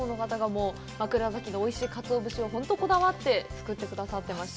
枕崎でおいしいかつお節を本当こだわって作ってくださっていました。